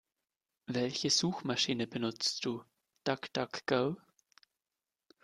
Welche Suchmaschiene benutzt du? DuckDuckGo?